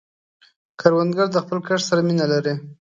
کروندګر د خپل کښت سره مینه لري